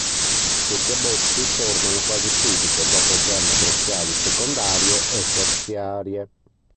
Questi abbozzi formano quasi subito dopo "gemme bronchiali secondarie" e "terziarie".